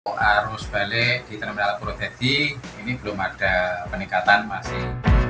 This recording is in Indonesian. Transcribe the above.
hai harus balik di terhadap protesi ini belum ada peningkatan masih